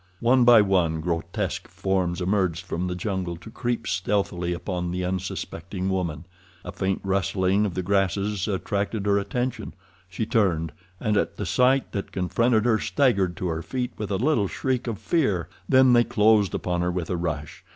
One by one grotesque forms emerged from the jungle to creep stealthily upon the unsuspecting woman. A faint rustling of the grasses attracted her attention. She turned, and at the sight that confronted her staggered to her feet with a little shriek of fear. Then they closed upon her with a rush.